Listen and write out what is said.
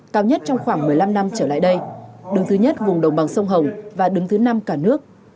cao nhất trong khoảng một mươi năm năm trở lại đây đứng thứ nhất vùng đồng bằng sông hồng và đứng thứ năm cả nước